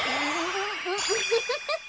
ウフフフフ。